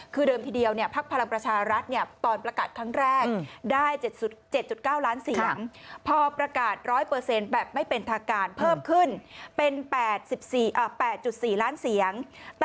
คือเดิมทีเดียวภักดิ์พลังประชารัฐตอนประกาศครั้งแรกได้๗๙ล้านเสียง